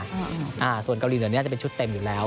อ่าส่วนเกาหลีเหนือเนี้ยจะเป็นชุดเต็มอยู่แล้ว